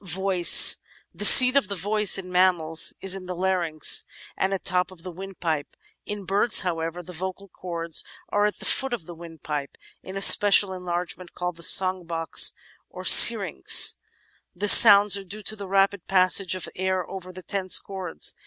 • Voice The seat of the voice in mammals is in the larynx, at the top of the windpipe. In birds, however, the vocal cords are at Natural Hlstoiy 437 the foot of the windpipe in a special enlargement called the song box or syrinx. The sounds are due to the rapid passage of the air over the tense cords.